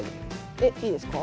えっいいですか？